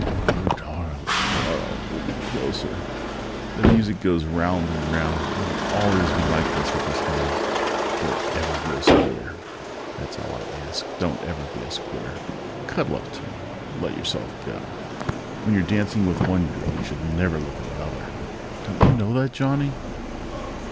_ _Oh, darl, darl, hold me closer! The music goes round and round! It will always be like that with us, honey! Don't ever be a square! That's all I ask! Don't ever be a square! Cuddle up to me, let yourself go! When you're dancing with one girl you should never look at another! Don't you know that, Johnny!